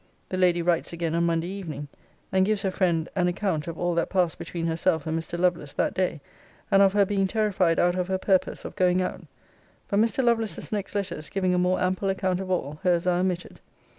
[The Lady writes again on Monday evening; and gives her friend an account of all that passed between herself and Mr. Lovelace that day; and of her being terrified out of her purpose, of going out: but Mr. Lovelace's next letters giving a more ample account of all, hers are omitted.